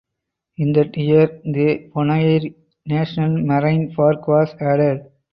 In that year the Bonaire National Marine Park was added.